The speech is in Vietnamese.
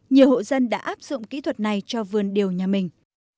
nhiều hộ dân đã áp dụng kỹ thuật này cho vườn điều nhà mình